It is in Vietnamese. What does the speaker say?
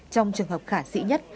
trong trường hợp khả sĩ nhất